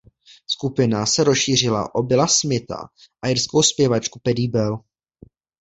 Skupina se rozšířila o Billa Smitha a irskou zpěvačku Paddie Bell.